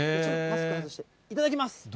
いただきます。